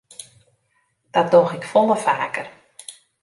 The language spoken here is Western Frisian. Dat doch ik folle faker.